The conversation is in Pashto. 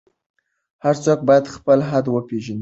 هر څوک باید خپل حد وپیژني.